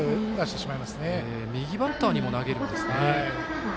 右バッターにも投げるんですね。